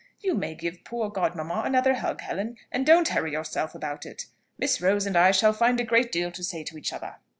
You may give poor god mamma another hug, Helen: and don't hurry yourself about it, Miss Rose and I shall find a great deal to say to each other."